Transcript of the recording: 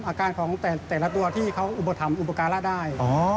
อาการของแต่ละตัวที่เขาอุปกรณ์ทำอุปกรณ์รักได้